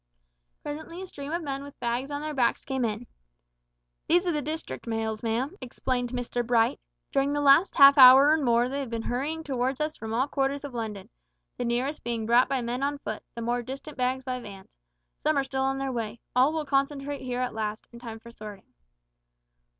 Presently a stream of men with bags on their backs came in. "These are the district mails, ma'am," explained Mr Bright; "during the last half hour and more they have been hurrying towards us from all quarters of London; the nearest being brought by men on foot, the more distant bags by vans. Some are still on their way; all will concentrate here at last, in time for sorting."